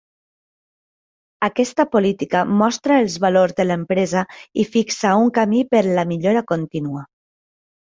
Aquesta política mostra els valors de l'empresa i fixa un camí per la millora contínua.